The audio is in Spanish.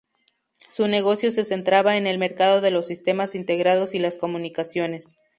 Su negocio se centraba en el mercado de los sistemas integrados y las comunicaciones.